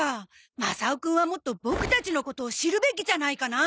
マサオくんはもっとボクたちのことを知るべきじゃないかな？